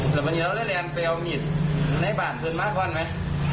เหละวันนี้อยู่เราแลนด์ไปเอามีดในป่านเยอะมากน้อยมั้ย